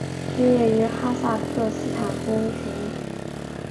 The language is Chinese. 毕业于哈萨克斯坦工学院。